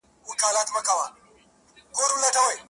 په پردي محفل کي سوځم- پر خپل ځان غزل لیکمه-